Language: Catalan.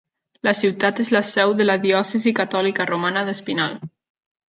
La ciutat és la seu de la diòcesi catòlica romana d'Espinal.